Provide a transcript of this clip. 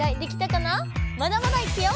まだまだいくよ！